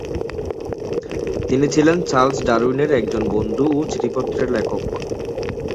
তিনি ছিলেন চার্লস ডারউইনের একজন বন্ধু ও চিঠিপত্রের লেখক।